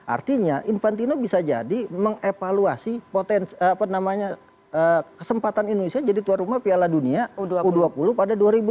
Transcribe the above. artinya infantino bisa jadi mengevaluasi potensi kesempatan indonesia jadi tuan rumah piala dunia u dua puluh pada dua ribu dua puluh